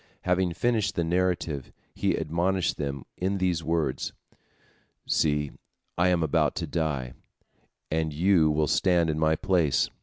Having finished the narrative, he admonished them in these words: "See, I am about to die, and you will stand in my place.